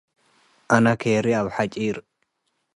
አነ ኬርዬ አብ-ሐጪር